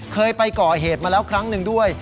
เคยไปก่อเหตุมาแล้วครั้งหนึ่งด้วย